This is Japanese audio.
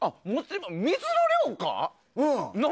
水の量かな？